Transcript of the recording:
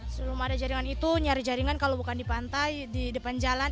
sebelum ada jaringan itu nyari jaringan kalau bukan di pantai di depan jalan